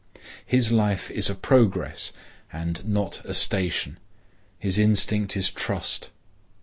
His life is a progress, and not a station. His instinct is trust.